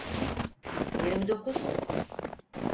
Yirmi dokuz.